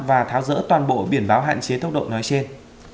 và tháo rỡ toàn bộ biển báo hạn chế tốc độ nói trên